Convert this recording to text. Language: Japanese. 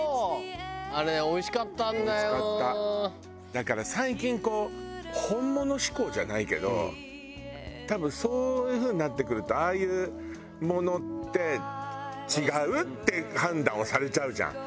だから最近こう本物志向じゃないけど多分そういう風になってくるとああいうものって違うって判断をされちゃうじゃん。